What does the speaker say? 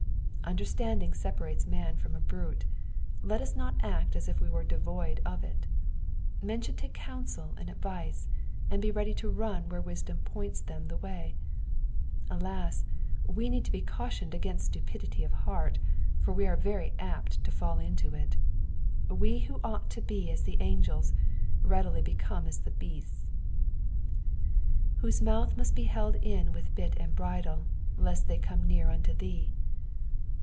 Un derstanding separates man from a brute^let us not act as if we were devoid of it. Men should take counsel and advice, and be ready to run where n'iadom points them the way. Alas ! we need to he cautioned against stupidity of heart, for we are very apt to fall into it. Wo who ought to be as the angels, readily be come as the beasts. " W/iate mmith mtut, he helil in Kith bit and bridle, lest the;/ eome nearunto thee.'"